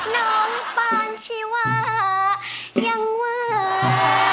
น้องปานชีวายังเวอร์